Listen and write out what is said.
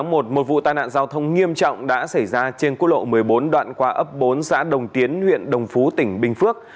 ngày hai mươi bảy tháng một một vụ tai nạn giao thông nghiêm trọng đã xảy ra trên cú lộ một mươi bốn đoạn qua ấp bốn xã đồng tiến huyện đồng phú tỉnh bình phước